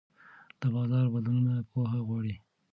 د بازار بدلونونه پوهه غواړي.